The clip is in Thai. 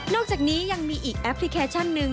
อกจากนี้ยังมีอีกแอปพลิเคชันหนึ่ง